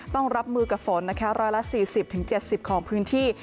ต้องรับมือกับฝนนะคะร้อยละสี่สิบถึงเจ็ดสิบของพื้นที่